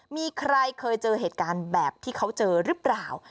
มีใครเคยเจอเหตุการณ์แบบที่เขาเจอหรือเปล่า